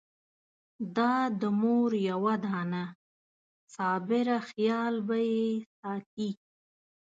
دا د مور یوه دانه صابره خېال به يې ساتي!